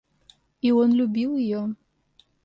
И он любил ее.